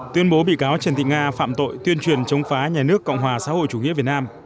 tuyên bố bị cáo trần thị nga phạm tội tuyên truyền chống phá nhà nước cộng hòa xã hội chủ nghĩa việt nam